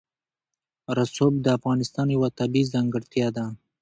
رسوب د افغانستان یوه طبیعي ځانګړتیا ده.